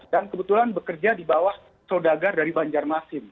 dan kebetulan bekerja di bawah sodagar dari banjarmasin